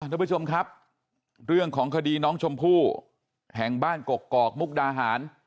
ทุกผู้ชมครับเรื่องของคดีน้องชมพู่แห่งบ้านกกอกมุกดาหาร